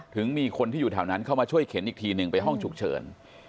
มีคนที่อยู่แถวนั้นเข้ามาช่วยเข็นอีกทีหนึ่งไปห้องฉุกเฉิน